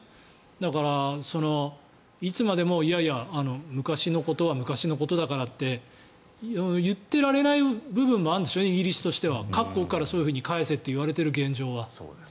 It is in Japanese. だから、いつまでもいやいや昔のことは昔のことだからと言って言っていられない部分もあるんでしょイギリスとしては。各国から、そういうふうに返せと言われている現状は。